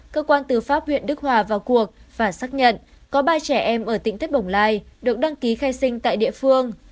cơ quan tư pháp huyện đức hòa vào cuộc và xác nhận có ba trẻ em ở tỉnh thất bồng lai được đăng ký khai sinh tại địa phương